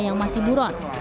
yang masih buron